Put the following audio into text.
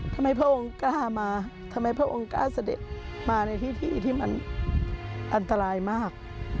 ทำไมพระองค์กล้ามาทำไมพระองค์กล้าเศรษฐกฎมาในที่ที่มันอันตรายมาก